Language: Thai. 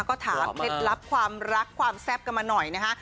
ก็ถามเคล็ดลับความรักความแซ่บกันมาหน่อยนะคะ